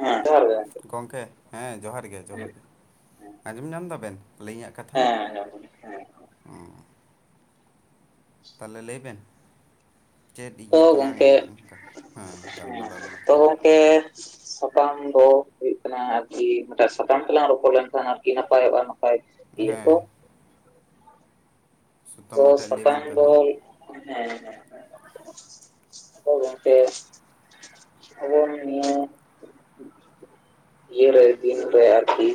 ᱦᱮᱸ ᱡᱚᱦᱟᱨ ᱜᱮ ᱜᱚᱝᱠᱮ ᱜᱚᱢᱠᱮ ᱦᱮᱸ ᱡᱚᱦᱟᱨ ᱜᱮ ᱡᱚᱦᱟᱨ ᱦᱮᱸ ᱜᱮ ᱟᱸᱡᱚᱢ ᱧᱟᱢ ᱫᱟᱵᱮᱱ ᱞᱟᱹᱭ ᱤᱧᱟᱹᱜ ᱠᱟᱛᱷᱟ ᱦᱮᱸ ᱟᱸᱡᱚᱢ ᱫᱟᱞᱤᱧ ᱦᱮᱸ ᱚ ᱛᱟᱦᱚᱞᱮ ᱞᱟᱹᱭ ᱵᱮᱱ ᱪᱮᱫ ᱛᱚ ᱤᱭᱟᱹ ᱛᱟᱞᱟᱝ ᱜᱚᱝᱠᱮ ᱚᱱᱠᱟ ᱦᱮᱸ ᱜᱟᱞᱢᱟᱨᱟᱣ ᱞᱮᱱᱠᱷᱟᱱ ᱴᱮᱨᱥ [unintelligible] ᱥᱟᱛᱟᱢ ᱫᱚ ᱦᱩᱭᱩᱜ ᱠᱟᱱᱟ ᱟᱨᱠᱤ ᱢᱤᱫᱴᱟᱝ ᱥᱟᱛᱟᱢ ᱛᱮᱞᱟᱝ ᱨᱚᱯᱚᱲ ᱞᱮᱱᱠᱷᱟᱱ ᱟᱨᱠᱤ ᱱᱟᱯᱟᱭᱚᱜᱼᱟ᱾ [unintelligible] ᱦᱮᱸ ᱥᱩᱛᱟᱹᱢ ᱛᱚ ᱢᱤᱫᱴᱟᱝ ᱞᱟᱹᱭ ᱵᱮᱱ ᱥᱠᱟᱝ ᱛᱟᱦᱚᱞᱮ ᱫᱚᱞ ᱚᱱᱮ ᱚᱱᱟ ᱦᱳᱭ ᱜᱚᱝᱠᱮ ᱟᱵᱚ ᱱᱤᱭᱟᱹ ᱤᱭᱟ ᱨᱮ ᱫᱤᱱᱨᱮ ᱟᱨᱠᱤ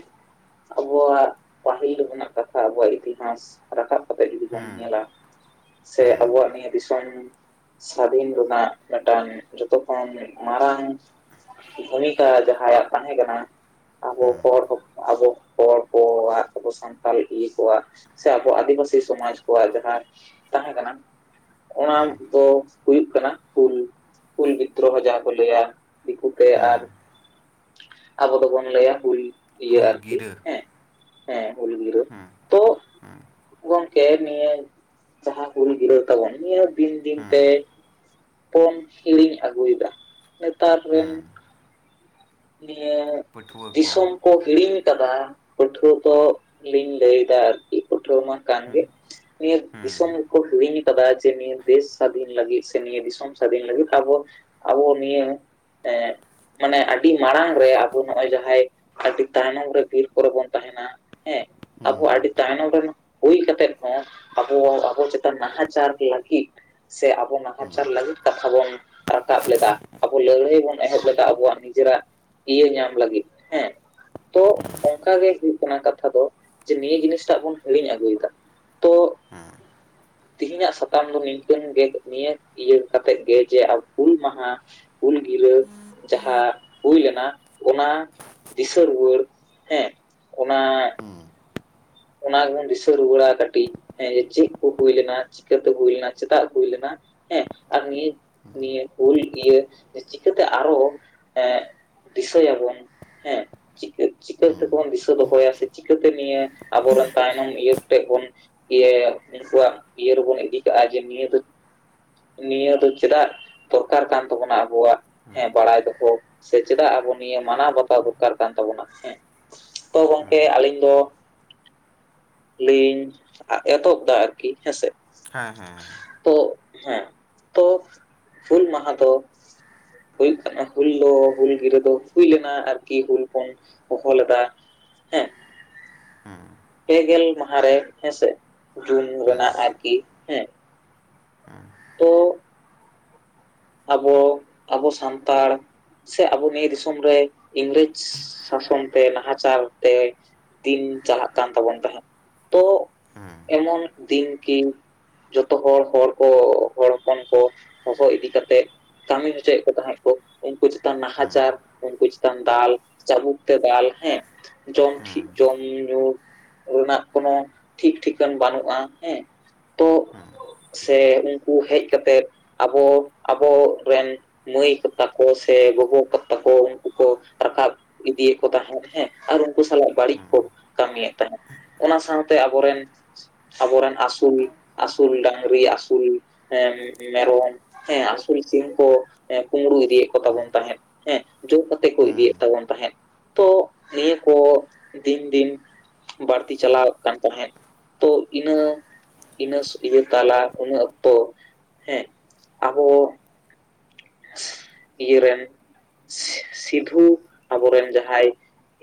ᱟᱵᱚᱣᱟᱜ ᱯᱟᱹᱦᱤᱞ ᱢᱮᱱᱟᱜ ᱠᱟᱛᱷᱟ ᱟᱵᱚᱣᱟᱜ ᱤᱛᱤᱦᱟᱥ ᱨᱟᱠᱟᱵ ᱠᱟᱛᱮᱜ ᱡᱩᱫᱤ ᱧᱮᱞᱟ ᱥᱮ ᱟᱵᱚᱣᱟᱜ ᱱᱤᱭᱟᱹ ᱫᱤᱥᱚᱢ ᱢᱤᱫᱴᱟᱝ ᱥᱟᱫᱷᱤᱱ ᱨᱮᱱᱟᱜ ᱢᱤᱫᱴᱟᱝ ᱡᱚᱛᱚ ᱠᱷᱚᱱ ᱢᱟᱨᱟᱝ ᱵᱷᱩᱢᱤᱠᱟ ᱡᱟᱦᱟᱸᱭᱟᱜ ᱛᱟᱦᱮᱸ ᱠᱟᱱᱟ ᱟᱵᱚ ᱦᱚᱲ ᱦᱚᱸ ᱟᱵᱚ ᱦᱚᱲ ᱠᱚᱣᱟᱜ ᱟᱵᱚ ᱥᱟᱱᱛᱟᱞ ᱤᱭᱟᱹ ᱠᱚᱣᱟᱜ ᱥᱮ ᱟᱵᱚ ᱟᱹᱫᱤᱵᱟᱹᱥᱤ ᱥᱚᱢᱟᱡᱽ ᱠᱚᱣᱟᱜ ᱡᱟᱦᱟᱸ ᱛᱟᱦᱮᱸ ᱠᱟᱱᱟ ᱚᱱᱟ ᱫᱚ ᱦᱩᱭᱩᱜ ᱠᱟᱱᱟ ᱠᱩᱞ ᱠᱳᱞ ᱵᱤᱫᱨᱳᱦᱚ ᱡᱟᱦᱟᱸ ᱠᱚ ᱞᱟᱹᱭᱟ ᱫᱤᱠᱩᱛᱮ ᱟᱨ ᱟᱵᱚ ᱫᱚᱵᱚᱱ ᱞᱟᱹᱭᱟ ᱦᱩᱞ ᱤᱭᱟᱹ ᱟᱨᱠᱤ ᱦᱩᱞᱜᱤᱨᱟᱹ ᱦᱮᱸ ᱦᱮᱸ ᱩᱞ ᱜᱤᱨᱟᱹ ᱛᱚ ᱜᱚᱝᱠᱮ ᱱᱤᱭᱟᱹ ᱡᱟᱦᱟᱸ ᱦᱩᱞ ᱜᱤᱨᱟᱹᱣ ᱛᱟᱵᱚᱱ ᱱᱤᱭᱟᱹ ᱫᱤᱱ ᱫᱤᱱ ᱦᱮᱸ ᱛᱮ ᱵᱚᱱ ᱦᱤᱲᱤᱧ ᱟᱹᱜᱩᱭᱮᱫᱟ ᱱᱮᱛᱟᱨ ᱨᱮᱱ ᱦᱮᱸ ᱱᱤᱭᱟᱹ ᱫᱤᱥᱚᱢ ᱠᱚ ᱦᱤᱲᱤᱧ ᱠᱟᱫᱟ ᱯᱟᱹᱴᱷᱩᱣᱟᱹ ᱠᱚ ᱞᱤᱧ ᱞᱟᱹᱭ ᱫᱟ ᱟᱨᱠᱤ ᱯᱟᱹᱴᱷᱩᱣᱟᱹ ᱢᱟ ᱠᱟᱱ ᱜᱮ ᱱᱤᱭᱟᱹ ᱦᱮᱸ ᱫᱤᱥᱚᱢ ᱨᱮᱠᱚ ᱦᱤᱲᱤᱧ ᱟᱠᱟᱫᱟ ᱡᱮ ᱱᱤᱭᱟᱹ ᱫᱮᱥ ᱥᱟᱹᱫᱷᱤᱱ ᱞᱟᱹᱜᱤᱫ ᱥᱮ ᱱᱤᱭᱟᱹ ᱫᱤᱥᱚᱢ ᱥᱟᱹᱫᱷᱤᱱ ᱞᱟᱹᱜᱤᱫ ᱟᱵᱚ ᱟᱵᱚ ᱱᱤᱭᱟᱹ ᱮ ᱢᱟᱱᱮ ᱟᱹᱰᱤ ᱢᱟᱲᱟᱝ ᱨᱮ ᱟᱵᱚ ᱱᱚᱜ-ᱚᱭ ᱡᱟᱦᱟᱸᱭ ᱟᱹᱰᱤ ᱛᱟᱭᱱᱚᱢ ᱨᱮ ᱵᱤᱨ ᱠᱚᱨᱮ ᱵᱚᱱ ᱛᱟᱦᱮᱱᱟ ᱦᱮᱸ ᱦᱮᱸ ᱟᱵᱚ ᱟᱹᱰᱤ ᱛᱟᱭᱱᱚᱢ ᱨᱮᱱ ᱦᱩᱭ ᱠᱟᱛᱮᱫ ᱦᱚᱸ ᱟᱵᱚ ᱟᱵᱚ ᱪᱮᱛᱟᱱ ᱱᱟᱦᱟᱪᱟᱨ ᱞᱟᱹᱜᱤᱫ ᱥᱮ ᱟᱵᱚ ᱱᱟᱦᱟᱪᱟᱨ ᱞᱟᱹᱜᱤᱫ ᱠᱟᱛᱷᱟ ᱵᱚᱱ ᱨᱟᱠᱟᱵ ᱞᱮᱫᱟ ᱟᱵᱚ ᱞᱟᱹᱲᱦᱟᱹᱭ ᱵᱚᱱ ᱮᱦᱚᱵ ᱞᱮᱫᱟ ᱟᱵᱚᱣᱟᱜ ᱱᱤᱡᱮᱨᱟᱜ ᱤᱭᱟᱹ ᱧᱟᱢ ᱞᱟᱹᱜᱤᱫ ᱦᱮᱸ ᱛᱚ ᱚᱜᱠᱟ ᱜᱮ ᱦᱩᱭᱩᱜ ᱠᱟᱱᱟ ᱠᱟᱛᱷᱟ ᱫᱚ ᱡᱮ ᱱᱤᱭᱟᱹ ᱡᱤᱱᱤᱥᱴᱟᱜ ᱵᱚᱱ ᱦᱤᱲᱤᱧ ᱟᱹᱜᱩᱭᱮᱫᱟ ᱛᱚ ᱦᱮᱸ ᱛᱤᱦᱤᱧᱟᱜ ᱥᱟᱛᱟᱢ ᱫᱚ ᱱᱤᱝᱠᱟᱹᱱ ᱰᱮᱴ ᱱᱤᱭᱟᱹ ᱤᱭᱟᱹ ᱠᱟᱛᱮᱫ ᱜᱮ ᱡᱮ ᱦᱩᱞ ᱢᱟᱦᱟ ᱦᱩᱞ ᱜᱤᱨᱟᱹ ᱡᱟᱦᱟᱸ ᱦᱩᱭ ᱞᱮᱱᱟ ᱚᱱᱟ ᱫᱤᱥᱟᱹ ᱨᱩᱣᱟᱹᱲ ᱦᱮᱸ ᱚᱱᱟ ᱚᱱᱟ ᱜᱮᱵᱚᱱ ᱫᱤᱥᱟᱹ ᱨᱩᱣᱟᱹᱲᱟ ᱠᱟᱹᱴᱤᱡ ᱦᱮᱸ ᱡᱮ ᱪᱮᱫ ᱠᱚ ᱦᱩᱭ ᱞᱮᱱᱟ ᱪᱤᱠᱟᱹᱛᱮ ᱦᱩᱭ ᱞᱮᱱᱟ ᱪᱮᱫᱟᱜ ᱦᱩᱭ ᱞᱮᱱᱟ ᱦᱮᱸ ᱟᱨ ᱱᱤᱭᱟᱹ ᱱᱤᱭᱟᱹ ᱦᱩᱞ ᱤᱭᱟᱹ ᱪᱤᱠᱟᱹᱛᱮ ᱟᱨᱚ ᱮᱸᱜ ᱫᱤᱥᱟᱹᱭᱟᱵᱚᱱ ᱦᱮᱸ ᱪᱤᱠᱟᱹ ᱪᱤᱠᱟᱹ ᱛᱮᱵᱚᱱ ᱫᱤᱥᱟᱹ ᱫᱚᱦᱚᱭᱟ ᱥᱮ ᱪᱤᱠᱟᱹᱛᱮ ᱱᱤᱭᱟᱹ ᱟᱵᱚᱨᱮᱱ ᱛᱟᱭᱱᱚᱢ ᱤᱭᱟᱹ ᱠᱚᱴᱷᱮᱡ ᱵᱚᱱ ᱤᱭᱟᱹᱭᱟ ᱩᱱᱠᱩᱣᱟᱜ ᱤᱭᱟᱹ ᱨᱮᱵᱚᱱ ᱤᱫᱤ ᱠᱟᱜᱼᱟ ᱡᱮ ᱱᱤᱭᱟᱹ ᱫᱚ ᱱᱤᱭᱟᱹ ᱫᱚ ᱪᱮᱫᱟᱜ ᱫᱚᱨᱠᱟᱨ ᱠᱟᱱ ᱛᱟᱵᱚᱱᱟ ᱟᱵᱚᱣᱟᱜ ᱦᱮᱸ ᱵᱟᱲᱟᱭ ᱫᱚᱦᱚ ᱥᱮ ᱪᱮᱫᱟᱜ ᱟᱵᱚ ᱱᱤᱭᱟᱹ ᱢᱟᱱᱟᱣ ᱵᱟᱛᱟᱣ ᱫᱚᱨᱠᱟᱨ ᱠᱟᱱ ᱛᱟᱵᱚᱱᱟ ᱦᱮᱸ ᱛᱚ ᱜᱚᱝᱠᱮ ᱟᱹᱞᱤᱧ ᱫᱚ ᱞᱟᱹᱭᱤᱧ ᱮᱛᱚᱦᱚᱵ ᱫᱟ ᱟᱨᱠᱤ ᱦᱮᱸᱥᱮ ᱦᱮᱸ ᱦᱮᱸ ᱛᱚ ᱦᱮᱸ ᱛᱚ ᱦᱩᱞ ᱢᱟᱦᱟ ᱫᱚ ᱦᱩᱭᱩᱜ ᱠᱟᱱᱟ ᱦᱩᱞ ᱫᱚ ᱦᱩᱞ ᱜᱤᱨᱟᱹ ᱫᱚ ᱦᱩᱭ ᱞᱮᱱᱟ ᱟᱨᱠᱤ ᱦᱩᱞ ᱵᱚᱱ ᱦᱚᱦᱚ ᱞᱮᱫᱟ ᱦᱮᱸ ᱯᱮᱜᱮᱞ ᱢᱟᱦᱟ ᱨᱮ ᱦᱮᱸᱥᱮ ᱡᱩᱱ ᱨᱮᱱᱟᱜ ᱟᱨᱠᱤ ᱦᱮᱸ ᱛᱚ ᱟᱵᱚ ᱟᱵᱚ ᱥᱟᱱᱛᱟᱲ ᱥᱮ ᱟᱵᱚ ᱱᱤᱭᱟᱹ ᱫᱤᱥᱚᱢ ᱨᱮ ᱤᱝᱨᱮᱡᱽ ᱥᱟᱥᱚᱱ ᱛᱮ ᱱᱟᱦᱟᱪᱟᱨ ᱛᱮ ᱫᱤᱱ ᱪᱟᱞᱟᱜ ᱠᱟᱱ ᱛᱟᱵᱚᱱ ᱛᱟᱦᱮᱸᱫ ᱛᱚ ᱮᱢᱚᱱ ᱫᱤᱱ ᱠᱤ ᱡᱚᱛᱚ ᱦᱚᱲ ᱦᱚᱲ ᱠᱚ ᱦᱚᱲ ᱦᱚᱯᱚᱱ ᱠᱚ ᱦᱚᱦᱚ ᱤᱫᱤ ᱠᱟ ᱛᱮᱫ ᱠᱟᱹᱢᱤ ᱦᱚᱪᱚᱭᱮᱫ ᱠᱚ ᱛᱟᱦᱮᱸᱫ ᱠᱚ ᱩᱱᱠᱩ ᱪᱮᱛᱟᱱ ᱱᱟᱦᱟᱪᱟᱨ ᱩᱱᱠᱩ ᱪᱮᱛᱟᱱ ᱫᱟᱞ ᱪᱟᱵᱩᱠ ᱛᱮ ᱫᱟᱞ ᱦᱮᱸ ᱡᱚᱢ ᱴᱷᱤᱠ ᱡᱚᱢ ᱧᱩ ᱨᱮᱱᱟᱜ ᱠᱳᱱᱳ ᱴᱷᱤᱠ ᱴᱷᱤᱠᱟᱹᱱ ᱵᱟᱹᱱᱩᱜᱼᱟ ᱦᱮᱸ ᱛᱚ ᱥᱮ ᱩᱱᱠᱩ ᱦᱮᱡ ᱠᱟᱛᱮᱫ ᱟᱵᱚ ᱟᱵᱚ ᱨᱮᱱ ᱢᱟᱹᱭ ᱠᱚ ᱛᱟᱠᱚ ᱥᱮ ᱜᱚᱜᱚ ᱠᱚ ᱛᱟᱠᱚ ᱩᱱᱠᱩ ᱠᱚ ᱨᱟᱠᱟᱵ ᱤᱫᱤᱭᱮᱫ ᱠᱚ ᱛᱟᱦᱮᱸᱫ ᱦᱮᱸ ᱟᱨ ᱩᱝᱠᱩ ᱥᱟᱞᱟᱜ ᱵᱟᱹᱲᱤᱡ ᱠᱚ ᱠᱟᱹᱢᱤᱭᱮᱫ ᱛᱟᱦᱮᱸᱫ ᱚᱱᱟ ᱥᱟᱶᱛᱮ ᱟᱵᱚᱨᱮᱱ ᱟᱵᱚᱨᱮᱱ ᱟᱹᱥᱩᱞ ᱟᱥᱩᱞ ᱰᱟᱝᱨᱤ ᱟᱥᱩᱞ ᱦᱮᱸ ᱢᱮᱨᱚᱢ ᱦᱮᱸ ᱟᱥᱩᱞ ᱥᱤᱢ ᱠᱚ ᱠᱩᱸᱵᱽᱲᱩ ᱤᱫᱤᱭᱮᱫ ᱠᱚ ᱛᱟᱵᱚᱱ ᱛᱟᱦᱮᱸᱫ᱾ ᱦᱮᱸ ᱡᱳᱨ ᱠᱟᱛᱮ ᱠᱚ ᱤᱫᱤᱭᱮᱫ ᱛᱟᱵᱚᱱ ᱛᱟᱦᱮᱸᱫ ᱛᱚ ᱱᱤᱭᱟᱹ ᱠᱚ ᱫᱤᱱ ᱫᱤᱱ ᱵᱟᱹᱲᱛᱤ ᱪᱟᱞᱟᱣᱚᱜ ᱠᱟᱱ ᱛᱟᱦᱮᱸᱫ ᱛᱚ ᱤᱱᱟᱹ ᱤᱱᱟᱹ ᱤᱭᱟᱹ ᱛᱟᱞᱟ ᱤᱱᱟᱹ ᱚᱠᱛᱚ ᱦᱮᱸ ᱟᱵᱚ ᱤᱭᱟᱹ ᱨᱮᱱ ᱥᱤ ᱥᱤᱫᱷᱩ ᱟᱵᱚᱨᱮᱱ ᱡᱟᱦᱟᱸᱭ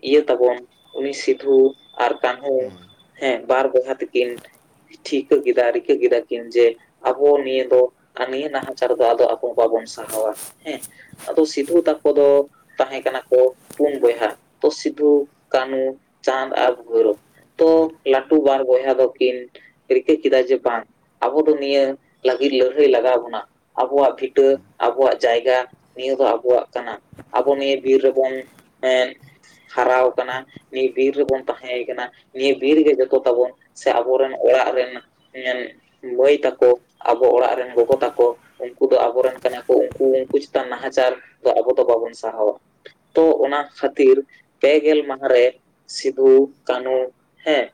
ᱤᱭᱟᱹ ᱛᱟᱵᱚᱱ ᱩᱱᱤ ᱥᱤᱫᱷᱩ ᱟᱨ ᱠᱟᱹᱱᱦᱩ ᱦᱮᱸ ᱦᱮᱸ ᱵᱟᱨ ᱵᱟᱭᱦᱟ ᱛᱮᱠᱤᱱ ᱴᱷᱤᱠᱟᱹ ᱠᱮᱫᱟ ᱨᱤᱠᱟᱹ ᱠᱮᱫᱟ ᱠᱤᱱ ᱡᱮ ᱟᱵᱚ ᱱᱤᱭᱟᱹ ᱫᱚ ᱱᱤᱭᱟᱹ ᱱᱟᱦᱟᱪᱟᱨ ᱫᱚ ᱟᱵᱚ ᱵᱟᱵᱚᱱ ᱥᱟᱦᱟᱣᱟ ᱦᱮᱸ ᱟᱫᱚ ᱥᱤᱫᱷᱩ ᱛᱟᱠᱚ ᱫᱚ ᱛᱟᱦᱮᱸ ᱠᱟᱱᱟ ᱠᱚ ᱯᱩᱱ ᱵᱚᱭᱦᱟ ᱛᱚ ᱥᱤᱫᱷᱩ ᱠᱟᱹᱱᱦᱩ ᱪᱟᱸᱫᱽ ᱟᱨ ᱵᱷᱳᱭᱨᱚᱵᱽ᱾ ᱫᱷᱳᱨ ᱛᱚ ᱞᱟᱹᱴᱩ ᱵᱟᱨ ᱵᱚᱭᱦᱟ ᱫᱚᱠᱤᱱ ᱨᱤᱠᱟᱹ ᱠᱮᱫᱟ ᱡᱮ ᱵᱟᱝ, ᱟᱵᱚ ᱫᱚ ᱱᱤᱭᱟᱹ ᱞᱟᱹᱜᱤᱫ ᱞᱟᱹᱲᱦᱟᱹᱭ ᱞᱟᱜᱟᱣ ᱵᱚᱚᱱᱟ ᱟᱵᱚᱣᱟᱜ ᱵᱷᱤᱴᱟᱹ ᱦᱮᱸ ᱟᱵᱚᱣᱟᱜ ᱡᱟᱭᱜᱟ ᱱᱤᱭᱟᱹ ᱫᱚ ᱟᱵᱚᱣᱟᱜ ᱠᱟᱱᱟ, ᱟᱵᱚ ᱱᱤᱭᱟᱹ ᱵᱤᱨ ᱨᱮᱵᱚᱱ ᱮᱸ ᱦᱟᱨᱟᱣ ᱟᱠᱟᱱᱟ ᱱᱤᱭᱟᱹ ᱵᱤᱨ ᱨᱮᱵᱚᱱ ᱛᱟᱦᱮᱸᱭ ᱟᱠᱟᱱᱟ ᱱᱤᱭᱟᱹ ᱵᱤᱨ ᱜᱮ ᱡᱚᱛᱚ ᱛᱟᱵᱚᱱ ᱥᱮ ᱟᱵᱚᱨᱮᱱ ᱚᱲᱟᱜ ᱨᱮᱱ ᱢᱟᱹᱭ ᱛᱟᱠᱚ ᱟᱵᱚ ᱚᱲᱟᱜ ᱨᱮᱱ ᱜᱚᱜᱚ ᱛᱟᱠᱚ ᱩᱱᱠᱩ ᱫᱚ ᱟᱵᱚᱨᱮᱱ ᱠᱟᱱᱟ ᱠᱚ ᱩᱱᱠᱩ ᱪᱮᱛᱟᱱ ᱱᱟᱦᱟᱪᱟᱨ ᱫᱚ ᱟᱵᱚ ᱫᱚ ᱵᱟᱵᱚᱱ ᱥᱟᱦᱟᱣᱟ ᱾ ᱛᱚ ᱚᱱᱟ ᱠᱷᱟᱹᱛᱤᱨ ᱯᱮ ᱜᱮᱞ ᱢᱟᱦᱟ ᱨᱮ ᱥᱤᱫᱷᱩ ᱠᱟᱹᱱᱦᱩ ᱦᱮᱸ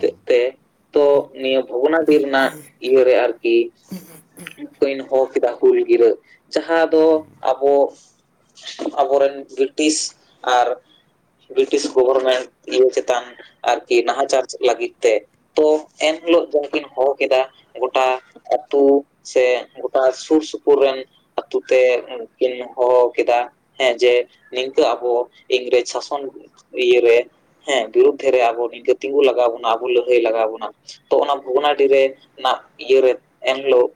ᱛᱮᱜ ᱛᱮ ᱛᱚ ᱱᱤᱭᱟᱹ ᱵᱷᱚᱜᱽᱚᱱᱟᱰᱤ ᱨᱮᱱᱟᱜ ᱤᱭᱟᱹᱨᱮ ᱟᱨᱠᱤ ᱠᱤᱱ ᱦᱚᱦᱚ ᱠᱮᱫᱟ ᱦᱩᱞ ᱜᱤᱨᱟᱹ ᱡᱟᱦᱟᱸ ᱫᱚ ᱟᱵᱚ ᱟᱵᱚᱨᱮᱱ ᱵᱨᱤᱴᱤᱥ ᱟᱨ ᱵᱨᱤᱴᱤᱥ ᱜᱚᱵᱷᱚᱨᱢᱮᱱᱴ ᱤᱭᱟᱹ ᱪᱮᱛᱟᱱ ᱟᱨᱠᱤ ᱱᱟᱦᱟᱪᱟᱨ ᱞᱟᱹᱜᱤᱫ ᱛᱮ ᱾ ᱛᱚ ᱮᱱᱦᱤᱞᱳᱜ ᱫᱚ ᱠᱤᱱ ᱦᱚᱦᱚ ᱠᱮᱫᱟ, ᱜᱚᱴᱟ ᱟᱛᱩ ᱥᱮ ᱜᱚᱴᱟ ᱥᱩᱨ ᱥᱩᱯᱩᱨ ᱨᱮᱱ ᱟᱛᱩ ᱛᱮ ᱠᱤᱱ ᱦᱚᱦᱚ ᱠᱮᱫᱟ᱾ ᱦᱮᱸ ᱡᱮ ᱱᱤᱝᱠᱟᱹ ᱟᱵᱚ ᱤᱝᱨᱮᱡᱽ ᱥᱟᱥᱚᱱ ᱤᱭᱟᱹ ᱨᱮ ᱦᱮᱸ ᱵᱤᱨᱩᱫᱷᱮ ᱨᱮ ᱟᱵᱚ ᱱᱤᱡᱮ ᱛᱤᱸᱜᱩ ᱞᱟᱠ ᱞᱟᱣ ᱵᱚᱱᱟ ᱟᱵᱚ ᱞᱟᱹᱲᱦᱟᱹᱭ ᱞᱟᱜᱟᱣ ᱵᱚᱱᱟ ᱛᱚ ᱚᱱᱟ ᱵᱷᱚᱜᱽᱱᱟᱰᱤᱨᱮ ᱨᱮᱱᱟᱜ ᱤᱭᱟᱹ ᱨᱮ ᱮᱱᱦᱤᱞᱳᱜ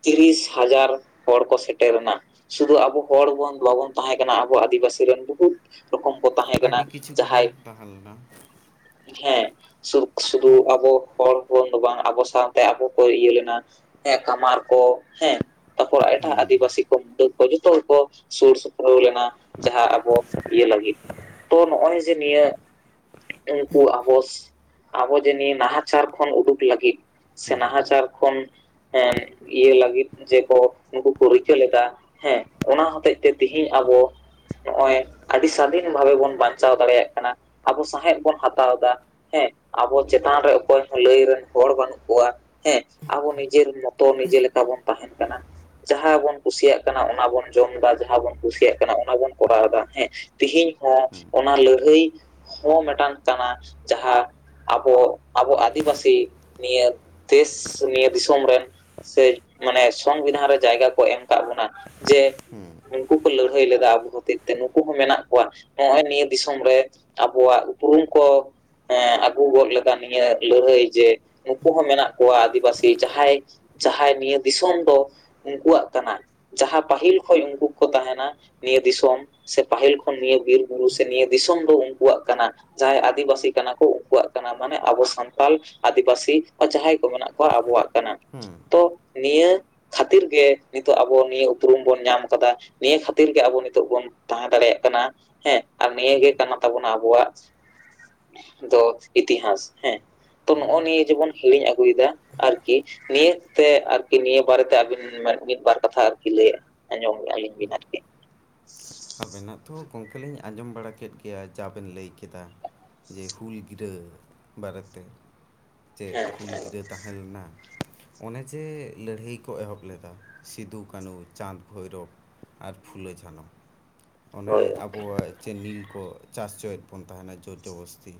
ᱛᱤᱨᱤᱥ ᱦᱟᱡᱟᱨ ᱦᱚᱲ ᱠᱚ ᱥᱮᱴᱮᱨᱮᱱᱟ, ᱥᱩᱫᱷᱩ ᱟᱵᱚ ᱦᱚᱲ ᱵᱚᱱ ᱵᱟᱵᱚᱱ ᱛᱟᱸᱦᱮ ᱠᱟᱱᱟ ᱟᱵᱚ ᱟᱹᱫᱤᱵᱟᱹᱥᱤ ᱨᱮᱱ ᱵᱩᱦᱩᱫ ᱨᱚᱠᱚᱢ ᱠᱚ ᱛᱟᱦᱮᱸ ᱠᱟᱱᱟ ᱟᱹᱰᱤ ᱠᱤᱪᱷᱩ ᱠᱚᱵᱚᱱ ᱡᱟᱦᱟᱸᱭ ᱛᱟᱦᱮᱸ ᱞᱮᱱᱟ ᱦᱮᱸ ᱥᱩᱞᱩᱠ ᱥᱟᱹᱜᱟᱹᱭ ᱟᱵᱚ ᱦᱚᱲ ᱦᱚᱯᱚᱱ ᱫᱚ ᱵᱟᱝ ᱟᱵᱚ ᱥᱟᱶᱛᱮ ᱟᱵᱚ ᱠᱚ ᱤᱭᱟᱹ ᱞᱮᱱᱟ ᱦᱮᱸ ᱠᱟᱢᱟᱨ ᱠᱚ ᱦᱮᱸ ᱛᱟᱨᱯᱚᱨ ᱮᱴᱟᱜ ᱦᱮᱸ ᱟᱹᱫᱤᱵᱟᱹᱥᱤ ᱠᱚ ᱢᱩᱰᱟᱹ ᱠᱚ ᱡᱚᱛᱚ ᱜᱮᱠᱚ ᱥᱩᱨ ᱥᱩᱯᱩᱨ ᱞᱮᱱᱟ ᱾ ᱡᱟᱦᱟᱸ ᱟᱵᱚ ᱤᱭᱟᱹ ᱞᱟᱹᱜᱤᱫ ᱛᱚ ᱱᱚᱜᱼᱚᱭ ᱡᱮ ᱱᱤᱭᱟᱹ ᱩᱱᱠᱩ ᱟᱵᱚᱥ ᱟᱵᱚ ᱡᱮ ᱱᱤᱭᱟᱹ ᱱᱟᱦᱟᱪᱟᱨ ᱠᱷᱚᱱ ᱩᱰᱩᱠ ᱞᱟᱹᱜᱤᱫ ᱥᱮ ᱦᱮᱸ ᱱᱟᱦᱟᱪᱟᱨ ᱠᱷᱚᱱ ᱦᱮᱸ ᱤᱭᱟᱹ ᱞᱟᱹᱜᱤᱫ ᱡᱮ ᱠᱚ ᱱᱩᱠᱩ ᱠᱚ ᱨᱤᱠᱟᱹ ᱞᱮᱫᱟ ᱦᱮᱸ ᱚᱱᱟ ᱦᱚᱛᱮᱜ ᱛᱮ ᱛᱤᱦᱤᱧ ᱟᱵᱚ ᱱᱚᱜᱼᱚᱭ ᱟᱹᱰᱤ ᱥᱟᱫᱷᱤᱱ ᱵᱷᱟᱵᱮ ᱵᱚᱱ ᱵᱟᱧᱪᱟᱣ ᱫᱟᱲᱮᱭᱟᱜ ᱠᱟᱱᱟ ᱟᱵᱚ ᱥᱟᱸᱶᱦᱮᱫ ᱵᱚᱱ ᱦᱟᱛᱟᱣ ᱫᱟ ᱾ ᱦᱮᱸ ᱟᱵᱚ ᱪᱮᱛᱟᱱ ᱨᱮ ᱚᱠᱚᱭ ᱦᱚᱸ ᱞᱟᱹᱭ ᱨᱮᱱ ᱦᱚᱲ ᱵᱟᱹᱱᱩᱜ ᱠᱚᱣᱟ ᱦᱮᱸ ᱟᱵᱚ ᱱᱤᱡᱮᱨ ᱢᱚᱛ ᱛᱚ ᱱᱤᱡᱮ ᱞᱮᱠᱟ ᱵᱚᱱ ᱛᱟᱦᱮᱸᱱ ᱠᱟᱱᱟ ᱾ ᱡᱟᱦᱟᱸ ᱵᱚᱱ ᱠᱩᱥᱤᱭᱟᱜ ᱠᱟᱱᱟ ᱚᱱᱟ ᱵᱚᱱ ᱡᱚᱢ ᱫᱟ ᱡᱟᱦᱟᱸ ᱵᱚᱱ ᱠᱩᱥᱤᱭᱟᱜ ᱠᱟᱱᱟ ᱚᱱᱟ ᱵᱚᱱ ᱠᱚᱨᱟᱣ ᱫᱟ, ᱦᱮᱸ ᱛᱮᱦᱤᱧ ᱦᱚᱸ ᱦᱮᱸ ᱚᱱᱟ ᱞᱟᱹᱲᱦᱟᱹᱭ ᱦᱚᱸ ᱢᱮᱴᱟᱝ ᱠᱟᱱᱟ ᱡᱟᱦᱟᱸ ᱟᱵᱚ ᱟᱵᱚ ᱟᱹᱫᱤᱵᱟᱹᱥᱤ ᱱᱤᱭᱟᱹ ᱫᱮᱥ ᱱᱤᱭᱟᱹ ᱫᱤᱥᱚᱢ ᱨᱮᱱ ᱥᱮ ᱢᱟᱱᱮ ᱥᱚᱝᱵᱤᱫᱷᱟᱱ ᱨᱮ ᱡᱟᱭᱜᱟ ᱠᱚ ᱮᱢ ᱟᱠᱟᱫ ᱵᱚᱱᱟ, ᱡᱮ ᱦᱮᱸ ᱱᱩᱠᱩ ᱠᱚ ᱞᱟᱹᱲᱦᱟᱹᱭ ᱞᱮᱫᱟ ᱟᱵᱚ ᱦᱚᱛᱮᱜ ᱛᱮ ᱱᱩᱠᱩ ᱦᱚᱸ ᱢᱮᱱᱟᱜ ᱠᱚᱣᱟ ᱱᱚᱜᱼᱚᱭ ᱱᱤᱭᱟᱹ ᱫᱤᱥᱚᱢ ᱨᱮ ᱟᱵᱚᱣᱟᱜ ᱩᱯᱨᱩᱢ ᱠᱚ ᱮ ᱟᱹᱜᱩ ᱜᱚᱫ ᱞᱮᱫ ᱱᱤᱭᱟᱹ ᱞᱟᱹᱲᱦᱟᱹᱭ ᱡᱮ ᱱᱩᱠᱩ ᱦᱚᱸ ᱢᱮᱱᱟᱜ ᱠᱚᱣᱟ ᱟᱹᱫᱤᱵᱟᱹᱥᱤ ᱡᱟᱦᱟᱸᱭ ᱡᱟᱦᱟᱸᱭ ᱱᱤᱭᱟᱹ ᱫᱤᱥᱚᱢ ᱫᱚ ᱩᱱᱠᱩᱣᱟᱜ ᱠᱟᱱᱟ ᱡᱟᱦᱟᱸ ᱯᱟᱹᱦᱤᱞ ᱠᱷᱚᱱ ᱩᱱᱠᱩ ᱠᱚ ᱛᱟᱦᱮᱱᱟ ᱱᱤᱭᱟᱹ ᱫᱤᱥᱚᱢ ᱥᱮ ᱯᱟᱹᱦᱤᱞ ᱠᱷᱚᱱ ᱱᱤᱭᱟᱹ ᱵᱤᱨ ᱵᱩᱨᱩ ᱥᱮ ᱱᱤᱭᱟᱹ ᱫᱤᱥᱚᱢ ᱫᱚ ᱩᱱᱠᱩᱣᱟᱜ ᱠᱟᱱᱟ ᱾ ᱡᱟᱦᱟᱸᱭ ᱟᱹᱫᱤᱵᱟᱹᱥᱤ ᱠᱟᱱᱟ ᱠᱚ ᱩᱱᱠᱩᱣᱟᱜ ᱠᱟᱱᱟ ᱢᱟᱱᱮ ᱟᱵᱚ ᱥᱟᱱᱛᱟᱞ ᱟᱹᱫᱤᱵᱟᱹᱥᱤ ᱡᱟᱦᱟᱸᱭ ᱠᱚ ᱢᱮᱱᱟᱜ ᱠᱚᱣᱟ ᱟᱵᱚᱣᱟᱜ ᱠᱟᱱᱟ ᱾ ᱦᱩᱸ ᱾ ᱱᱤᱭᱟᱹ ᱠᱷᱟᱹᱛᱤᱨ ᱜᱮ ᱱᱤᱛᱚᱜ ᱟᱵᱚ ᱱᱤᱭᱟᱹ ᱩᱯᱨᱩᱢ ᱵᱚᱱ ᱧᱟᱢ ᱠᱟᱫᱟ ᱱᱤᱭᱟᱹ ᱠᱷᱟᱹᱛᱤᱨ ᱜᱮ ᱟᱵᱚ ᱱᱤᱛᱚᱜ ᱵᱚᱱ ᱛᱟᱦᱮᱸ ᱫᱟᱲᱮᱭᱟᱜ ᱠᱟᱱᱟ ᱦᱮᱸ ᱟᱨ ᱱᱤᱭᱟᱹᱟᱹᱜᱮ ᱠᱟᱱ ᱛᱟᱵᱚᱱᱟ ᱟᱵᱚᱣᱟᱜ ᱫᱚ ᱤᱛᱤᱦᱟᱥ ᱦᱮᱸ ᱛᱚ ᱱᱚᱜᱼᱚᱭ ᱱᱤᱭᱟᱹ ᱡᱮᱵᱚᱱ ᱦᱤᱲᱤᱧ ᱟᱹᱜᱩᱭᱮᱫᱟ ᱟᱨᱠᱤ ᱱᱤᱭᱟᱹ ᱛᱮ ᱟᱨᱠᱤ ᱱᱤᱭᱟᱹ ᱵᱟᱨᱮᱛᱮ ᱟᱹᱵᱤᱱ ᱢᱤᱫ ᱵᱟᱨ ᱠᱟᱛᱷᱟ ᱟᱨᱠᱤ ᱞᱟᱹᱭ ᱟᱸᱡᱚᱢᱞᱤᱧ ᱵᱤᱱ ᱟᱨᱠᱤ [inaudible] ᱟᱵᱮᱱᱟᱜ ᱛᱚ ᱜᱚᱢᱠᱮ ᱞᱤᱧ ᱟᱸᱡᱚᱢ ᱵᱟᱲᱟ ᱠᱮᱫ ᱜᱮᱭᱟ ᱡᱟ ᱵᱮᱱ ᱞᱟᱹᱭ ᱠᱮᱫᱟ ᱾ ᱡᱮ ᱦᱩᱞ ᱜᱤᱨᱟᱹ ᱵᱟᱨᱮᱛᱮ ᱪᱮᱫ ᱦᱮᱸ ᱦᱩᱞ ᱜᱤᱨᱟᱹ ᱛᱟᱦᱮᱸ ᱞᱮᱱᱟ ᱚᱱᱮ ᱡᱮ ᱞᱟᱹᱲᱦᱟᱹᱭ ᱠᱚ ᱮᱦᱚᱵ ᱞᱮᱫᱟ ᱥᱤᱫᱩ ᱠᱟᱹᱱᱩ ᱪᱟᱸᱫᱽ ᱵᱷᱳᱨᱚᱵᱽ ᱟᱨ ᱯᱷᱩᱞᱚ ᱡᱷᱟᱱᱚ ᱚᱱᱮ ᱦᱳᱭ ᱟᱵᱚᱣᱟᱜ ᱪᱮᱫ ᱱᱤᱞ ᱠᱚ ᱪᱟᱥ ᱚᱪᱚᱭᱮᱫ ᱵᱚᱱ ᱛᱟᱦᱮᱱᱟ ᱡᱳᱨᱡᱚᱵᱚᱥᱛᱤ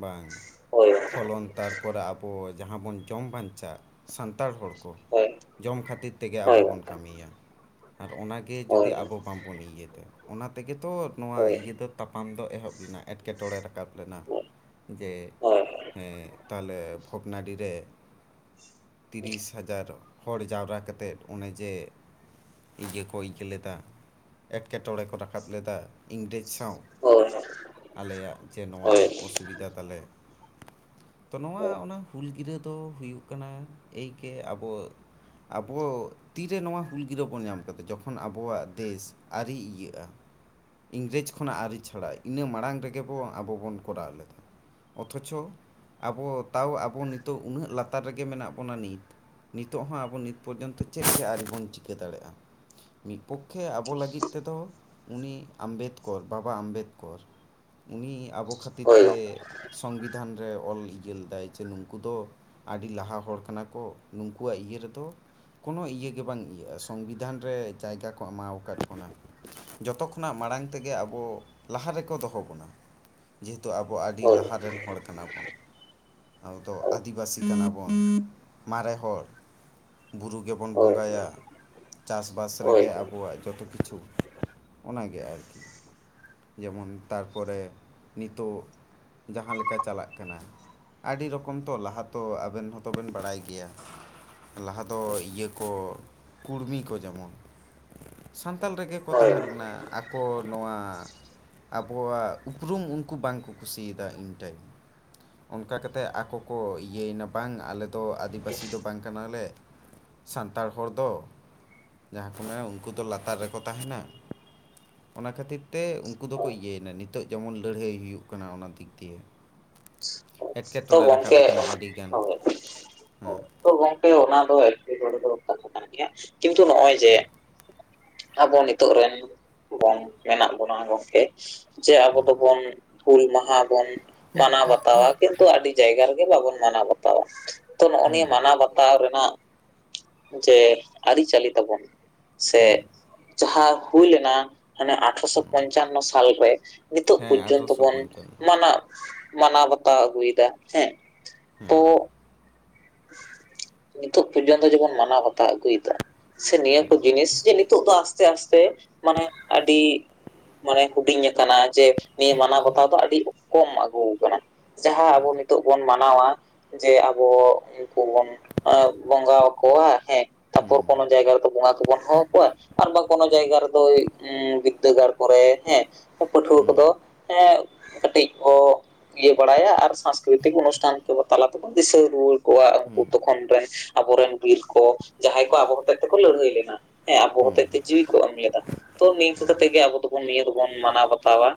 ᱵᱟᱝ ᱦᱳᱭ ᱯᱷᱚᱞᱚᱱ ᱛᱟᱨᱯᱚᱨᱮ ᱟᱵᱚ ᱡᱟᱦᱟᱸ ᱵᱚᱱ ᱡᱚᱢ ᱵᱟᱧᱪᱟᱜ ᱥᱟᱱᱛᱟᱲ ᱦᱚᱲ ᱠᱚ ᱦᱳᱭ ᱡᱚᱢ ᱠᱷᱟᱹᱛᱤᱨ ᱛᱮᱜᱮ ᱟᱵᱚ ᱦᱳᱭ ᱵᱚᱱ ᱜᱚᱝᱠᱮ ᱠᱟᱹᱢᱤᱭᱟ ᱟᱨ ᱚᱱᱟᱜᱮ ᱡᱩᱫᱤ ᱦᱳᱭ ᱟᱵᱚ ᱤᱭᱟᱹᱛᱮ ᱚᱱᱟ ᱛᱮᱜᱮ ᱛᱚ ᱱᱚᱣᱟ ᱦᱳᱭ ᱤᱭᱟᱹ ᱫᱚ ᱛᱟᱯᱟᱢ ᱫᱚ ᱮᱦᱚᱵ ᱞᱮᱱᱟ ᱮᱸᱴᱠᱮᱴᱚᱸᱬᱮ ᱨᱟᱠᱟᱵ ᱞᱮᱱᱟ ᱡᱮ ᱦᱳᱭ ᱦᱳᱭ ᱦᱮᱸ ᱛᱟᱦᱚᱞᱮ ᱵᱷᱚᱜᱽᱱᱟᱰᱤ ᱨᱮ ᱛᱤᱨᱤᱥ ᱦᱟᱡᱟᱨ ᱦᱚᱲ ᱡᱟᱣᱨᱟ ᱠᱟᱛᱮᱫ ᱚᱱᱮᱡᱮ ᱤᱭᱟᱹ ᱠᱚ ᱟᱹᱭᱠᱟᱹ ᱞᱮᱫᱟ ᱮᱸᱴᱠᱮᱴᱚᱸᱬᱮ ᱠᱚ ᱨᱟᱠᱟᱵ ᱞᱮᱫᱟ ᱤᱝᱨᱮᱡᱽ ᱥᱟᱶ ᱦᱳᱭ ᱟᱞᱮᱭᱟᱜ ᱡᱮ ᱱᱚᱣᱟ ᱦᱳᱭ ᱚᱥᱩᱵᱤᱫᱷᱟ ᱛᱟᱞᱮ ᱛᱚ ᱱᱚᱣᱟ ᱚᱱᱟ ᱦᱩᱞ ᱜᱤᱨᱟᱹ ᱫᱚ ᱦᱩᱭᱩᱜ ᱠᱟᱱᱟ ᱮᱭᱠᱮ ᱟᱵᱚ ᱟᱵᱚ ᱛᱤᱨᱮ ᱱᱚᱣᱟ ᱦᱩᱞ ᱜᱤᱨᱟᱹ ᱵᱚᱱ ᱧᱟᱢ ᱠᱟᱫᱟ ᱡᱚᱠᱷᱚᱱ ᱟᱵᱚᱣᱟᱜ ᱫᱮᱥ ᱟᱣᱨᱤ ᱤᱭᱟᱹᱜᱼᱟ ᱤᱝᱨᱮᱡᱽ ᱠᱷᱚᱱᱟᱜ ᱟᱹᱨᱤ ᱪᱷᱟᱲᱟᱭ ᱤᱱᱟᱹ ᱢᱟᱲᱟᱝ ᱨᱮᱜᱮ ᱵᱚ ᱟᱵᱚ ᱵᱚᱱ ᱠᱚᱨᱟᱣ ᱞᱮᱫᱟ ᱚᱛᱷᱚᱪᱷᱚ ᱟᱵᱚ ᱛᱟᱣ ᱟᱵᱚ ᱱᱤᱛᱚᱜ ᱩᱱᱟᱹᱜ ᱞᱟᱛᱟᱨ ᱨᱮᱜᱮ ᱢᱮᱱᱟᱜ ᱵᱚᱱᱟ ᱱᱤᱛ ᱱᱤᱛᱚᱜ ᱦᱚᱸ ᱟᱵᱚ ᱱᱤᱛ ᱯᱚᱨᱡᱚᱱᱛᱚ ᱪᱮᱫ ᱪᱚ ᱟᱹᱨᱤ ᱵᱚᱱ ᱪᱤᱠᱟᱹ ᱫᱟᱲᱮᱜᱼᱟ ᱢᱤᱫ ᱯᱚᱠᱷᱮ ᱟᱵᱚ ᱞᱟᱹᱜᱤᱫ ᱛᱮᱫᱚ ᱩᱱᱤ ᱟᱢᱵᱮᱫᱠᱚᱨ ᱵᱟᱵᱟ ᱟᱢᱵᱮᱫᱠᱚᱨ ᱩᱱᱤ ᱟᱵᱚ ᱠᱷᱟᱹᱛᱤᱨ ᱦᱳᱭ ᱛᱮ ᱥᱚᱝᱵᱤᱫᱷᱟᱱ ᱨᱮ ᱚᱞ ᱤᱭᱟᱹ ᱞᱮᱫᱟᱭ ᱡᱮ ᱱᱩᱝᱠᱩ ᱫᱚ ᱟᱹᱰᱤ ᱞᱟᱦᱟ ᱦᱚᱲ ᱠᱟᱱᱟ ᱠᱚ ᱱᱩᱠᱩᱣᱟᱜ ᱤᱭᱟᱹ ᱨᱮᱫᱚ ᱠᱳᱱᱳ ᱤᱭᱟᱹ ᱜᱮ ᱵᱟᱝ ᱤᱭᱟᱹᱜᱼᱟ ᱥᱚᱝᱵᱤᱫᱷᱟᱱ ᱨᱮ ᱡᱟᱭᱜᱟ ᱠᱚ ᱮᱢᱟᱣ ᱟᱠᱟᱫ ᱵᱚᱱᱟ ᱡᱚᱛᱚ ᱠᱷᱚᱱᱟᱜ ᱢᱟᱲᱟᱝ ᱛᱮᱜᱮ ᱟᱵᱚ ᱞᱟᱦᱟ ᱨᱮᱠᱚ ᱫᱚᱦᱚ ᱵᱚᱱᱟ ᱡᱮᱦᱚᱛᱩ ᱟᱵᱚ ᱟᱹᱰᱤ ᱞᱟᱦᱟ ᱨᱮᱱ ᱦᱚᱲ ᱠᱟᱱᱟ ᱵᱚᱱ ᱟᱵᱚ ᱟᱹᱫᱤᱵᱟᱹᱥᱤ ᱠᱟᱱᱟ ᱵᱚᱱ ᱢᱟᱨᱮ ᱦᱚᱲ ᱵᱩᱨᱩ ᱜᱮᱵᱚᱱ ᱵᱚᱸᱜᱟᱭᱟ ᱪᱟᱥ ᱵᱟᱥ ᱨᱮᱜᱮ ᱦᱳᱭ ᱦᱳᱭ ᱟᱵᱚᱣᱟᱜ ᱡᱚᱛᱚ ᱠᱤᱪᱷᱩ ᱚᱱᱟ ᱜᱮ ᱟᱨᱠᱤ ᱡᱮᱢᱚᱱ ᱛᱟᱨᱯᱚᱨᱮ ᱱᱤᱛᱚᱜ ᱡᱟᱦᱟᱸ ᱞᱮᱠᱟ ᱪᱟᱞᱟᱜ ᱠᱟᱱᱟ ᱟᱹᱰᱤ ᱨᱚᱠᱚᱢ ᱛᱚ ᱞᱟᱦᱟ ᱛᱚ ᱟᱵᱮᱱ ᱦᱚᱸᱛᱚ ᱵᱮᱱ ᱵᱟᱲᱟᱭ ᱜᱮᱭᱟ ᱞᱟᱦᱟ ᱫᱚ ᱤᱭᱟᱹ ᱠᱚ ᱠᱩᱲᱢᱤ ᱠᱚ ᱡᱮᱢᱚᱱ ᱥᱟᱱᱛᱟᱞ ᱨᱮᱜᱮ ᱠᱚ ᱦᱳᱭ ᱛᱟᱦᱮᱸ ᱞᱮᱱᱟ ᱟᱠᱚ ᱱᱚᱣᱟ ᱟᱵᱚᱣᱟᱜ ᱩᱯᱨᱩᱢ ᱩᱱᱠᱩ ᱵᱟᱝ ᱠᱚ ᱠᱩᱥᱤ ᱭᱟᱫᱟ ᱩᱱ ᱴᱟᱭᱤᱢ ᱚᱱᱠᱟ ᱠᱟᱛᱮᱫ ᱟᱠᱚ ᱠᱚ ᱤᱭᱟᱹᱭ ᱱᱟ ᱵᱟᱝ ᱟᱞᱮ ᱫᱚ ᱟᱹᱫᱤᱵᱟᱹᱥᱤ ᱫᱚ ᱵᱟᱝ ᱠᱟᱱᱟᱞᱮ ᱥᱟᱱᱛᱟᱲ ᱦᱚᱲ ᱫᱚ ᱡᱟᱦᱟᱸ ᱠᱚ ᱢᱮᱱᱟ ᱩᱱᱠᱩ ᱫᱚ ᱞᱟᱛᱟᱨ ᱨᱮᱠᱚ ᱛᱟᱦᱮᱱᱼᱟ ᱚᱱᱟ ᱠᱷᱟᱹᱛᱤᱨ ᱛᱮ ᱩᱸ..... ᱩᱱᱠᱩ ᱫᱚᱠᱚ ᱤᱭᱟᱹᱭ ᱮᱱᱟ ᱱᱤᱛᱚᱜ ᱡᱮᱢᱚᱱ ᱞᱟᱹᱲᱦᱟᱹᱭ ᱦᱩᱭᱩᱜ ᱠᱟᱱᱟ ᱚᱱᱟ ᱫᱤᱠ ᱫᱤᱭᱮ ᱛᱚ ᱮᱸᱴᱠᱮᱴᱚᱸᱬᱮ ᱨᱟᱠᱟᱵ ᱜᱚᱝᱠᱮ ᱟᱠᱟᱱᱟ ᱟᱹᱰᱤᱜᱟᱱ ᱦᱳᱭ ᱦᱮᱸ ᱛᱚ ᱜᱚᱝᱠᱮ ᱚᱱᱟ ᱫᱚ ᱮᱠᱮᱴᱚᱲᱮ ᱫᱚ ᱠᱟᱛᱷᱟ ᱠᱟᱱ ᱜᱮᱭᱟ ᱠᱤᱱᱛᱩ ᱱᱚᱜᱼᱚᱭ ᱡᱮ ᱟᱵᱚ ᱱᱤᱛᱚᱜ ᱨᱮᱱ ᱵᱚᱱ ᱢᱮᱱᱟᱜ ᱵᱚᱱᱟ ᱜᱚᱢᱠᱮ ᱡᱮ ᱟᱵᱚ ᱫᱚᱵᱚᱱ ᱦᱩᱞ ᱢᱟᱦᱟ ᱵᱚᱱ ᱢᱟᱱᱟᱣ ᱵᱟᱛᱟᱣᱼᱟ ᱠᱤᱱᱛᱩ ᱟᱹᱰᱤ ᱡᱟᱭᱜᱟ ᱨᱮᱜᱮ ᱵᱟᱵᱚᱱ ᱢᱟᱱᱟᱣ ᱵᱟᱛᱟᱣᱼᱟ᱾ ᱛᱚ ᱱᱚᱜᱼᱚ ᱱᱤᱭᱟᱹ ᱢᱟᱱᱟᱣ ᱵᱟᱛᱟᱣ ᱨᱮᱱᱟᱜ ᱡᱮ ᱟᱹᱨᱤ ᱪᱟᱹᱞᱤ ᱛᱟᱵᱚᱱ ᱥᱮ ᱡᱟᱦᱟᱸ ᱦᱩᱭ ᱞᱮᱱᱟ ᱦᱟᱱᱮ ᱟᱴᱷᱨᱚᱥᱚ ᱯᱚᱧᱪᱟᱱᱱᱚ ᱥᱟᱞᱨᱮ ᱱᱤᱛᱚᱜ ᱦᱮᱸ ᱯᱚᱨᱡᱚᱱᱛᱚ ᱟᱴᱷᱨᱚᱥᱚ ᱵᱚᱱ ᱯᱚᱧᱪᱟᱱᱱᱚ ᱢᱟᱱᱟᱣ ᱢᱟᱱᱟᱣ ᱵᱟᱛᱟᱣ ᱟᱹᱜᱩᱭ ᱮᱫᱟ ᱦᱮᱸ ᱛᱚ [inaudible] ᱱᱤᱛᱚᱜ ᱯᱚᱨᱡᱚᱱᱛᱚ ᱡᱮᱵᱚᱱ ᱢᱟᱱᱟᱣ ᱵᱟᱛᱟᱣ ᱟᱹᱜᱩᱭ ᱮᱫᱟ ᱥᱮ ᱱᱤᱭᱟᱹ ᱠᱚ ᱡᱤᱱᱤᱥ ᱡᱮ ᱱᱤᱛᱚᱜ ᱫᱚ ᱟᱥᱛᱮ ᱟᱥᱛᱮ ᱢᱟᱱᱮ ᱟᱹᱰᱤ ᱢᱟᱱᱮ ᱦᱩᱰᱤᱧ ᱟᱠᱟᱱᱟ ᱡᱮ ᱱᱤᱭᱟᱹ ᱢᱟᱱᱟᱣ ᱵᱟᱛᱟᱣ ᱫᱚ ᱟᱹᱰᱤ ᱠᱚᱢ ᱟᱹᱜᱩ ᱠᱟᱱᱟ᱾ ᱡᱟᱦᱟᱸ ᱟᱵᱚ ᱱᱤᱛᱚᱜ ᱵᱚᱱ ᱢᱟᱱᱟᱣᱼᱟ ᱡᱮ ᱟᱵᱚ ᱩᱱᱠᱩ ᱵᱚᱱ ᱟ ᱵᱚᱸᱜᱟ ᱟᱠᱚᱣᱟ ᱦᱮᱸ ᱛᱟᱯᱚᱨ ᱠᱳᱱᱚ ᱡᱟᱭᱜᱟ ᱨᱮᱫᱚ ᱵᱚᱸᱜᱟ ᱠᱚᱵᱚᱱ ᱦᱚᱦᱚ ᱟᱠᱚᱣᱟ ᱟᱨ ᱵᱟ ᱠᱳᱱᱳ ᱡᱟᱭᱜᱟ ᱨᱮᱫᱚ ᱵᱤᱫᱽᱫᱟᱹᱜᱟᱲ ᱠᱚᱨᱮ ᱦᱮᱸ ᱯᱟᱹᱴᱷᱩᱣᱟᱹ ᱠᱚᱫᱚ ᱮᱸ ᱠᱟᱹᱴᱤᱡ ᱠᱚ ᱤᱭᱟᱹ ᱵᱟᱲᱟᱭᱟ ᱟᱨ ᱥᱟᱝᱥᱠᱨᱤᱛᱤᱠ ᱚᱱᱩᱥᱴᱷᱟᱱ ᱠᱚ ᱛᱟᱞᱟ ᱛᱮ ᱵᱚᱱ ᱫᱤᱥᱟᱹ ᱨᱩᱣᱟᱹᱲ ᱠᱚᱣᱟ ᱩᱱᱠᱩ ᱛᱚᱠᱷᱚᱱ ᱨᱮᱱ ᱟᱵᱚᱨᱮᱱ ᱵᱤᱨ ᱠᱚ ᱡᱟᱦᱟᱸᱭ ᱠᱚ ᱟᱵᱚ ᱦᱚᱛᱮᱡ ᱛᱮᱠᱚ ᱞᱟᱹᱲᱦᱟᱹᱭ ᱞᱮᱱᱟ᱾ ᱦᱮᱸ ᱟᱵᱚ ᱦᱚᱛᱮᱡ ᱛᱮ ᱡᱤᱣᱤ ᱠᱚ ᱮᱢ ᱞᱮᱫᱟ ᱛᱚ ᱱᱤᱝᱠᱟᱹ ᱠᱟᱛᱮᱜ ᱜᱮ ᱟᱵᱚ ᱫᱚᱵᱚᱱ ᱱᱤᱭᱟᱹ ᱫᱚᱵᱚᱱ ᱢᱟᱱᱟᱣ ᱵᱟᱛᱟᱣᱟ᱾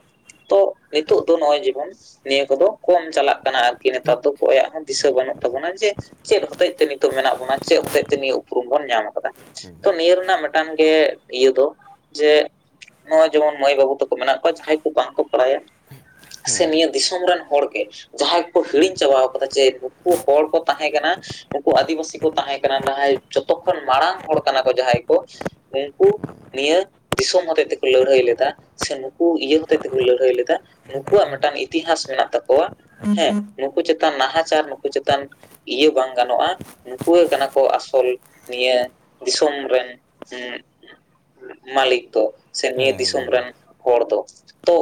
ᱛᱚ ᱱᱤᱛᱳᱜ ᱫᱚ ᱱᱚᱜᱼᱚᱭ ᱡᱮᱢᱚᱱ ᱱᱤᱭᱟᱹ ᱠᱚᱫᱚ ᱠᱚᱢ ᱪᱟᱞᱟᱜ ᱠᱟᱱᱟ ᱟᱨᱠᱤ ᱱᱮᱛᱟᱨ ᱫᱚ ᱠᱚᱭᱼᱟᱜ ᱦᱚᱸ ᱫᱤᱥᱟᱹ ᱵᱟᱹᱱᱩᱜ ᱛᱟᱵᱚᱱᱟ᱾ ᱡᱮ ᱪᱮᱫ ᱦᱚᱛᱮᱡ ᱛᱮ ᱱᱤᱛᱚᱜ ᱢᱮᱱᱟᱜ ᱵᱚᱱᱟ ᱪᱮᱫ ᱦᱚᱛᱮᱡ ᱛᱮ ᱱᱤᱭᱟᱹ ᱩᱯᱨᱩᱢ ᱵᱚᱱ ᱧᱟᱢ ᱟᱠᱟᱫᱟ᱾ ᱛᱚ ᱱᱤᱭᱟᱹ ᱨᱮᱱᱟᱜ ᱢᱤᱫᱴᱟᱝ ᱜᱮ ᱤᱭᱟᱹ ᱫᱚ ᱡᱮ ᱱᱚᱜᱼᱚᱭ ᱡᱮᱢᱚᱱ ᱢᱟᱹᱭ ᱵᱟᱹᱵᱩ ᱛᱟᱠᱚ ᱢᱮᱱᱟᱜ ᱠᱚᱣᱟ ᱡᱟᱦᱟᱸᱭ ᱠᱚ ᱵᱟᱝ ᱠᱚ ᱵᱟᱲᱟᱭᱟ᱾ ᱥᱮ ᱱᱤᱭᱟᱹ ᱫᱤᱥᱚᱢ ᱨᱮᱱ ᱦᱚᱲ ᱜᱮ ᱡᱟᱦᱟᱸᱭ ᱠᱚᱠᱚ ᱦᱤᱲᱤᱧ ᱪᱟᱵᱟᱣ ᱠᱟᱫᱟ ᱡᱮ ᱱᱩᱠᱩ ᱦᱚᱲ ᱠᱚ ᱛᱟᱦᱮᱸ ᱠᱟᱱᱟ ᱩᱱᱠᱩ ᱟᱹᱫᱤᱵᱟᱹᱥᱤ ᱠᱚ ᱛᱟᱦᱮᱸ ᱠᱟᱱᱟ ᱱᱟᱦᱟᱭ ᱡᱚᱛᱚ ᱠᱷᱚᱱ ᱢᱟᱲᱟᱝ ᱦᱚᱲ ᱠᱟᱱᱟ ᱠᱚ ᱡᱟᱦᱟᱸᱭ ᱠᱚ ᱩᱱᱠᱩ ᱱᱤᱭᱟᱹ ᱫᱤᱥᱚᱢ ᱦᱚᱛᱮᱡ ᱛᱮᱠᱚ ᱞᱟᱹᱲᱦᱟᱹᱭ ᱞᱮᱫᱟ ᱥᱮ ᱱᱩᱠᱩ ᱤᱭᱟᱹ ᱦᱚᱛᱮᱡ ᱛᱮᱠᱚ ᱞᱟᱹᱲᱦᱟᱹᱭ ᱞᱮᱫᱟ ᱱᱩᱠᱩᱣᱟᱜ ᱢᱤᱫᱴᱟᱱ ᱤᱛᱤᱦᱟᱥ ᱢᱮᱱᱟᱜ ᱛᱟᱠᱚᱣᱟ ᱦᱮᱸ ᱱᱩᱠᱩ ᱪᱮᱛᱟᱱ ᱱᱟᱦᱟᱪᱟᱨ ᱱᱩᱠᱩ ᱪᱮᱛᱟᱱ ᱤᱭᱟᱹ ᱵᱟᱝ ᱜᱟᱱᱚᱜᱼᱟ ᱱᱩᱠᱩ ᱜᱮ ᱠᱟᱱᱟ ᱠᱚ ᱟᱥᱚᱞ ᱱᱤᱭᱟᱹ ᱫᱤᱥᱚᱢ ᱨᱮᱱ ᱦᱮᱸ ᱢᱟᱹᱞᱤᱠ ᱫᱚ ᱥᱮ ᱱᱤᱭᱟᱹ ᱦᱮᱸ ᱢᱟ ᱫᱤᱥᱚᱢ ᱞᱟᱹᱭ ᱨᱮᱱ ᱦᱚᱲ ᱫᱚ᱾ ᱛᱚ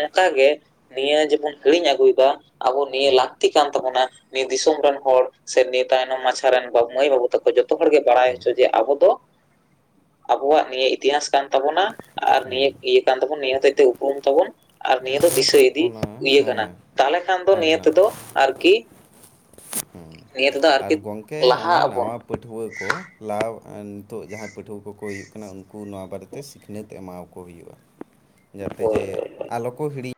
ᱚᱱᱠᱟᱜᱮ ᱱᱤᱭᱟᱹ ᱡᱮᱵᱚᱱ ᱦᱤᱲᱤᱧ ᱟᱹᱜᱩᱭᱮᱫᱟ ᱟᱵᱚ ᱱᱤᱭᱟᱹ ᱞᱟᱹᱠᱛᱤ ᱠᱟᱱ ᱛᱟᱵᱚᱱᱟ ᱱᱤᱭᱟᱹ ᱫᱤᱥᱚᱢ ᱨᱮᱱ ᱦᱚᱲ ᱥᱮ ᱱᱤᱭᱟᱹ ᱛᱟᱭᱱᱚᱢ ᱢᱟᱪᱷᱟ ᱨᱮᱱ ᱢᱟᱹᱭ ᱵᱟᱹᱵᱩ ᱛᱟᱠᱚ ᱡᱚᱛᱚ ᱦᱚᱲᱜᱮ ᱵᱟᱲᱟᱭ ᱦᱚᱪᱚ ᱡᱮ ᱟᱵᱚ ᱫᱚ ᱟᱵᱚᱣᱟᱜ ᱱᱤᱭᱟᱹ ᱤᱛᱤᱦᱟᱥ ᱠᱟᱱ ᱛᱟᱵᱚᱱᱟ ᱟᱨ ᱱᱤᱭᱟᱹ ᱤᱭᱟᱹ ᱠᱟᱱ ᱛᱟᱵᱚᱱ ᱱᱤᱭᱟᱹ ᱦᱚᱛᱮᱡ ᱛᱮ ᱩᱯᱨᱩᱢ ᱛᱟᱵᱚᱱ ᱟᱨ ᱱᱤᱭᱟᱹ ᱫᱚ ᱫᱤᱥᱟᱹ ᱤᱫᱤ ᱚᱱᱟ ᱤᱭᱟᱹ ᱠᱟᱱᱟ ᱦᱮᱸ ᱛᱟᱦᱚᱞᱮ ᱠᱷᱟᱱ ᱫᱚ ᱟᱨ ᱱᱤᱭᱟᱹ ᱱᱟ ᱛᱮᱫᱚ ᱟᱨᱠᱤ ᱱᱤᱭᱟᱹ ᱛᱮᱫᱚ ᱦᱮᱸ ᱟᱨᱠᱤ ᱟᱨ ᱜᱚᱝᱠᱮ ᱚᱱᱮ ᱞᱟᱦᱟᱜ ᱟᱵᱚᱱ ᱱᱟᱣᱟ ᱯᱟᱹᱴᱷᱩᱩᱭᱟᱹ ᱠᱚ ᱞᱟᱣ ᱱᱤᱛᱚᱜ ᱡᱟᱦᱟᱸᱭ ᱯᱟᱹᱴᱷᱩᱭᱟᱹ ᱠᱚᱠᱚ ᱦᱩᱭᱩᱜ ᱠᱟᱱᱟ ᱩᱱᱠᱩ ᱱᱚᱣᱟ ᱵᱟᱨᱮᱛᱮ ᱥᱤᱠᱷᱱᱟᱹᱛ ᱮᱢᱟᱠᱚ ᱠᱚ ᱦᱩᱭᱩᱜᱼᱟ ᱡᱟᱛᱮ ᱦᱳᱭ ᱡᱮ ᱦᱳᱭ ᱟᱞᱚ ᱠᱚ ᱦᱤᱲᱤᱧ